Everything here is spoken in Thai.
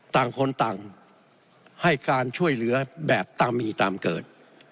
ต่างคนต่างให้การช่วยเหลือแบบตามมีตามเกิด